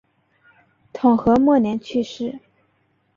统和末年去世。